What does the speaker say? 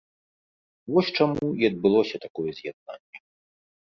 Вось чаму і адбылося такое з’яднанне.